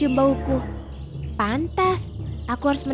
terus berdua sudah sampai